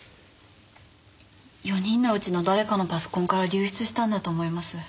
４人のうちの誰かのパソコンから流出したんだと思います。